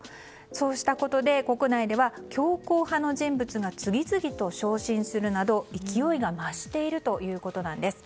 そうしたことで国内では強硬派の人物が昇進するなど勢いが増しているということなんです。